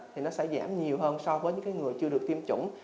thì nó sẽ giảm nhiều hơn so với những người chưa được tiêm chủng